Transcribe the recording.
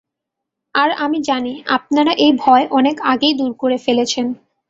আর আমি জানি আপনারা এই ভয় অনেক আগেই দূর করে ফেলেছেন।